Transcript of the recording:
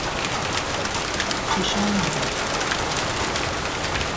فشار می داد